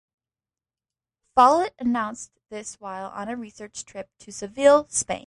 Follett announced this while on a research trip to Seville, Spain.